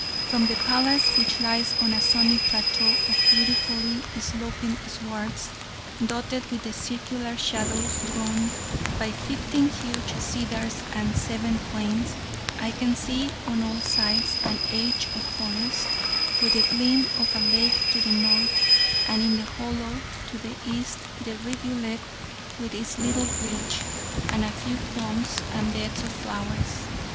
From the palace, which lies on a sunny plateau of beautifully sloping swards, dotted with the circular shadows thrown by fifteen huge cedars, and seven planes, I can see on all sides an edge of forest, with the gleam of a lake to the north, and in the hollow to the east the rivulet with its little bridge, and a few clumps and beds of flowers.